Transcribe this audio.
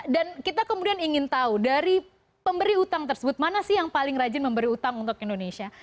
dan kita kemudian ingin tahu dari pemberi utang tersebut mana sih yang paling rajin memberi utang untuk indonesia